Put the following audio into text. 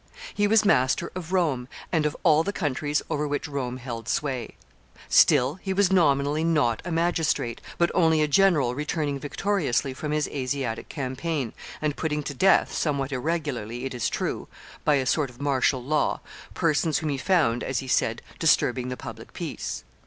He was master of Rome, and of all the countries over which Rome held sway. Still he was nominally not a magistrate, but only a general returning victoriously from his Asiatic campaign, and putting to death, somewhat irregularly, it is true, by a sort of martial law persons whom he found, as he said, disturbing the public peace.